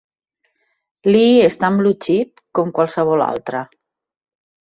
Lee és tan blue chip com qualsevol altra.